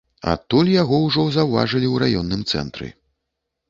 Адтуль яго ўжо заўважылі ў раённым цэнтры.